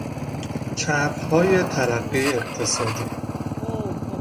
چرخهای ترقی اقتصادی